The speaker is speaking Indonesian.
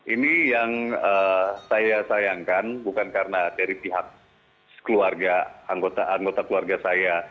ini yang saya sayangkan bukan karena dari pihak keluarga anggota anggota keluarga saya